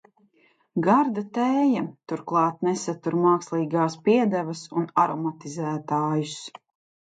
Garda tēja, turklāt nesatur mākslīgās piedevas un aromatizētājus.